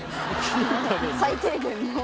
最低限の。